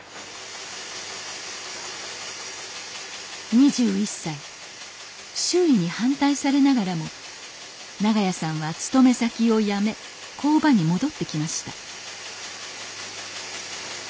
２１歳周囲に反対されながらも長屋さんは勤め先を辞め工場に戻ってきました